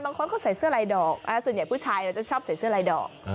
บางคนเขาใส่เสื้อลายดอกส่วนใหญ่ผู้ชายเราจะชอบใส่เสื้อลายดอก